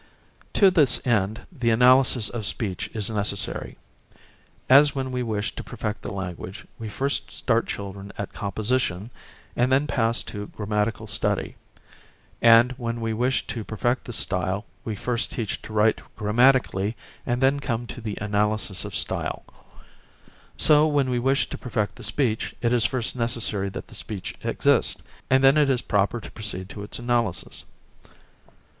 To this end the analysis of speech is necessary. As when we wish to perfect the language we first start children at composition and then pass to grammatical study; and when we wish to perfect the style we first teach to write grammatically and then come to the analysis of style–so when we wish to perfect the speech it is first necessary that the speech exist, and then it is proper to proceed to its analysis.